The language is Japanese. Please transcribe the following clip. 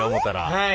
はい。